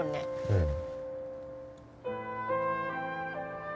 うん。